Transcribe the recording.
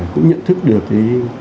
cũng nhận thức được cái